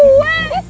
iyuh biarin aja